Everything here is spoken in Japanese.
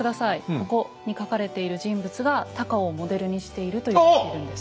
ここに描かれている人物が高尾をモデルにしているといわれてるんです。